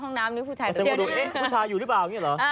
ซั่งงกอดูว่าผู้ชายรึเปล่า